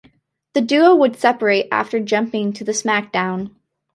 The duo would separate after jumping to the SmackDown!